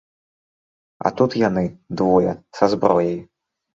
А тут яны, двое, са зброяй.